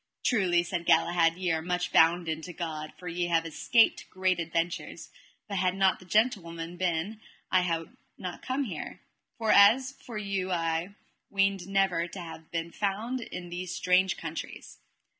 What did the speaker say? Truly, said Galahad, ye are much bounden to God, for ye have escaped great adventures; and had not the gentlewoman been I had not come here, for as for you I weened never to have found you in these strange countries.